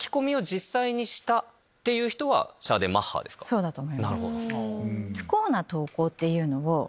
そうだと思います。